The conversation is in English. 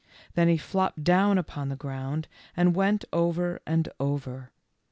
Then he flopped down upon the ground and went over and over.